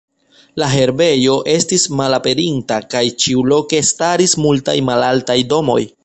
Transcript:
La herbejo estis malaperinta, kaj ĉiuloke staris multaj malaltaj domoj.